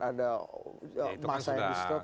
ada masa yang diseret